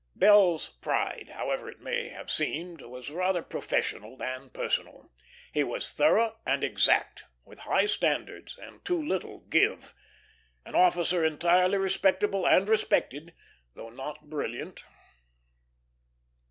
Bell's pride, however it may have seemed, was rather professional than personal. He was thorough and exact, with high standards and too little give. An officer entirely respectable and respected, though not brilliant.